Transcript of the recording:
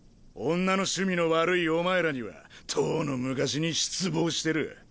女の趣味の悪いお前らにはとうの昔に失望してる。